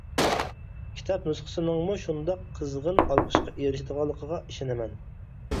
كىتاب نۇسخىسىنىڭمۇ شۇنداق قىزغىن ئالقىشقا ئېرىشىدىغانلىقىغا ئىشىنىمەن.